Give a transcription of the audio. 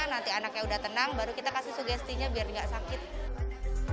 nanti anaknya udah tenang baru kita kasih sugestinya biar nggak sakit